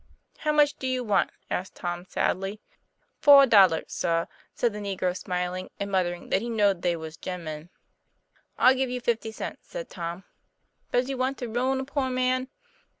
" How much do you want?" asked Tom sadly. TOM PLA YFAIR. 41 "Foah dollars, sah," said the negro, smiling, and muttering that he " knowed they was gemmen." " I'll give you fifty cents," said Tom. " Does you want to ruin a poor man?"